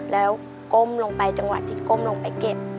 แล้วก้มลงไปจังหวะที่ก้มลงไปเก็บ